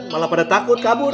malah pada takut kabur